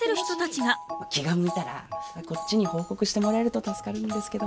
気が向いたらこっちに報告してもらえると助かるんですけど。